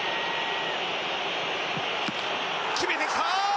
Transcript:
決めてきた！